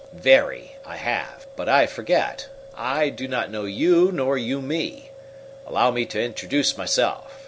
"Very. I have But I forget, I do not know you nor you me. Allow me to introduce myself.